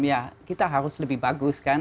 ya kita harus lebih bagus kan